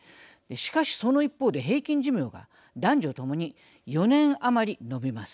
しかし、その一方で平均寿命が男女共に４年余り伸びます。